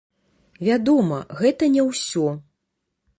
Вядома, гэта не ўсё.